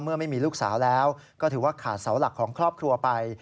เมื่อไม่มีลูกสาวแล้วก็ถือว่าขาดเสาหลักของครอบครัวไป